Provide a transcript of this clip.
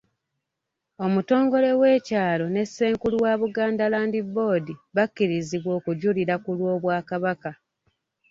Omutongole w'ekyalo ne Ssenkulu wa Buganda Land Board bakkirizibwa okujulira ku lw'Obwakabaka.